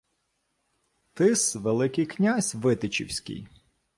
— Ти-с Великий князь витичівський.